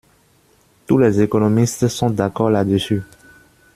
Tous les économistes sont d'accord là-dessus.